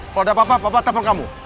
kalau ada papa papa telfon kamu